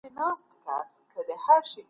په کارونو کي له بې ځایه زیاتي څخه ډډه وکړئ.